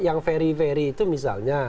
yang very very itu misalnya